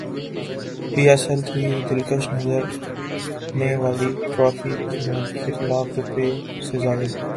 پی S L three دلکش نظر نے والی ٹرافی کی مالیت لاکھ روپے سے زائد